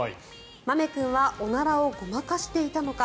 まめ君はおならをごまかしていたのか。